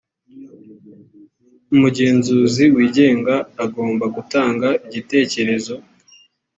umugenzuzi wigenga agomba gutanga igitekerezo